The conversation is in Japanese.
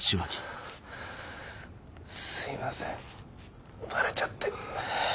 すいませんバレちゃって。